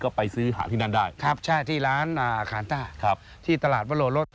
ก็ไปซื้อหาที่นั่นได้ครับใช่ที่ร้านอาคารต้าครับที่ตลาดวโลรส